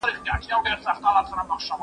زه بايد کتابونه وړم؟